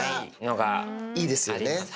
いいですよね。